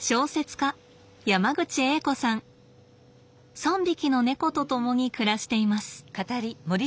３匹の猫と共に暮らしています。